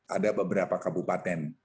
ada beberapa kabupaten